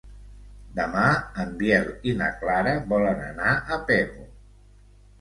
Demà en Biel i na Clara volen anar a Pego.